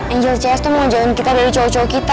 angel c s tuh mau jalan kita dari cowok cowok kita